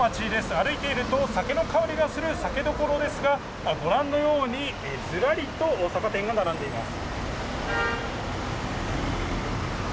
歩いていると、酒の香りがする酒どころですが、ご覧のように、ずらりと酒店が並んでいます。